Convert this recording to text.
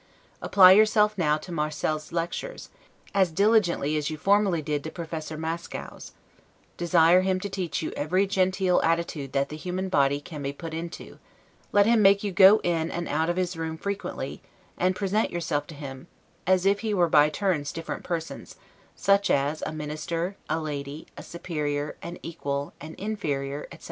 Apply yourself now to Marcel's lectures, as diligently as you did formerly to Professor Mascow's; desire him to teach you every genteel attitude that the human body can be put into; let him make you go in and out of his room frequently, and present yourself to him, as if he were by turns different persons; such as a minister, a lady, a superior, an equal, and inferior, etc.